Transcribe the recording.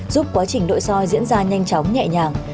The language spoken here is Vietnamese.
giúp quá trình nội soi diễn ra nhanh chóng nhẹ nhàng